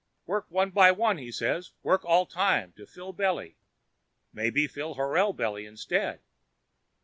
Work one by one, he say, work all time to fill belly, maybe fill horal belly instead.